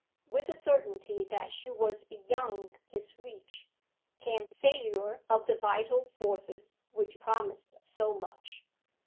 With the certainty that she was beyond his reach came failure of the vital forces which promised so much.